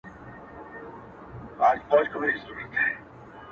لېونتوب غواړم چي د کاڼو په ویشتلو ارزي,